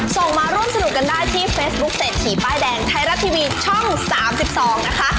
ส่งมาร่วมสนุกกันได้ที่เฟซบุ๊คเศรษฐีป้ายแดงไทยรัฐทีวีช่อง๓๒นะคะ